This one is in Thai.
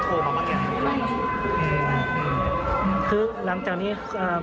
โดนสังคมอะไรอย่างนี้เลย